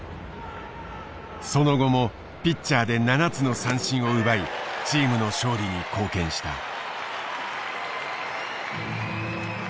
その後もピッチャーで７つの三振を奪いチームの勝利に貢献した。